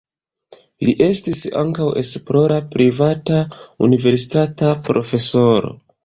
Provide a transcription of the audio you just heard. Li estis ankaŭ esplora privata universitata profesoro.